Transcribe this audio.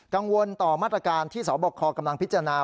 กังวลต่อมาตรการที่สบคกำลังพิจารณา